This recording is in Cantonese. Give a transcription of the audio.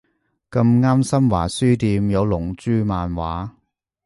咁啱新華書店有龍珠漫畫